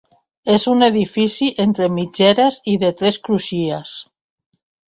És un edifici entre mitgeres i de tres crugies.